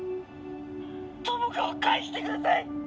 友果を返してください！